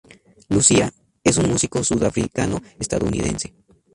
Lucía, es un músico sudafricano-estadounidense.